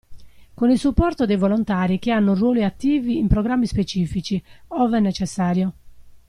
Con il supporto dei volontari che hanno ruoli attivi in programmi specifici, ove necessario.